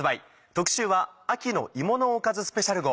特集は秋の芋のおかずスペシャル号。